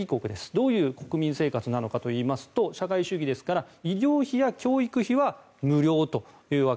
どういう国民生活なのかといいますと社会主義ですから医療費や教育費は無料です。